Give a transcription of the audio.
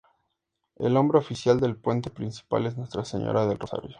El nombre oficial del puente principal es: ""Nuestra Señora del Rosario"".